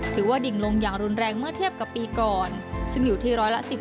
ว่าดิ่งลงอย่างรุนแรงเมื่อเทียบกับปีก่อนซึ่งอยู่ที่ร้อยละ๑๐